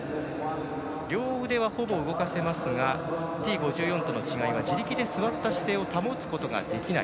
両腕は、ほぼ動かせますがＴ５４との違いは自力で座った姿勢を保つことができない。